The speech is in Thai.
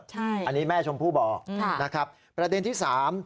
อันนี้แม่ชมพู่บอกนะครับประเด็นที่สาม